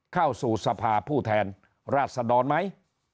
เข้าสู่สภาพธิบัตรผู้แทนราษฎรไหม